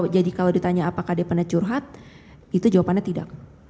jadi kalau ditanya apakah dia pernah curhat itu jawabannya tidak